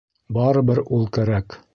— Барыбер ул кәрәк.